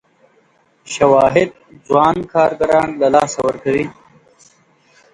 شواهد ځوان کارګران له لاسه ورکړي.